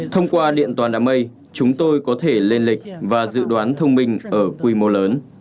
thông qua điện toàn đám mây chúng tôi có thể lên lịch và dự đoán thông minh ở quy mô lớn